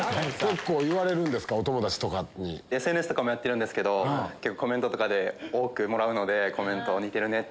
ＳＮＳとかもやってるんですけどコメントとかで多くもらうので「似てるね」っていうのを。